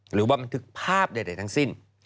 บันทึกภาพใดทั้งสิ้น